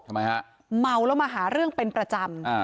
ทำไมฮะเมาแล้วมาหาเรื่องเป็นประจำ